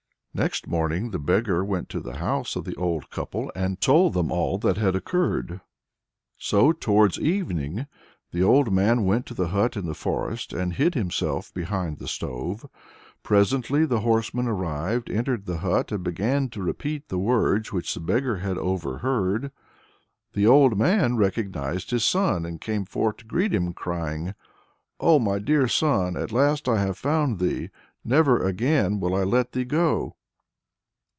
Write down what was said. Next morning the beggar went to the house of the old couple, and told them all that had occurred. So towards evening the old man went to the hut in the forest, and hid himself behind the stove. Presently the horseman arrived, entered the hut, and began to repeat the words which the beggar had overheard. The old man recognized his son, and came forth to greet him, crying: "O my dear son! at last I have found thee! never again will I let thee go!"